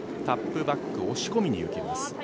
タップバック、押し込みに行きます。